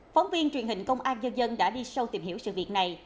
phóng viên truyền hình công an dân dân đã đi sâu tìm hiểu sự việc này